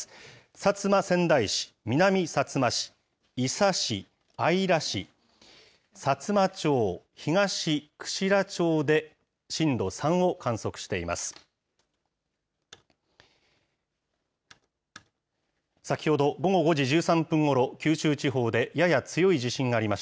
薩摩川内市、南さつま市、伊佐市、姶良市、さつま町、東串良町で震度３を観測しています。